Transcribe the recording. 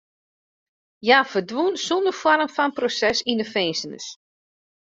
Hja ferdwûn sonder foarm fan proses yn de finzenis.